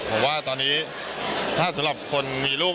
ผมว่าตอนนี้ถ้าสำหรับคนมีลูก